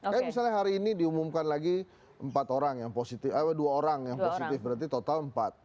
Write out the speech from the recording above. kayak misalnya hari ini diumumkan lagi dua orang yang positif berarti total empat